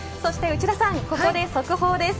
内田さん、ここで速報です。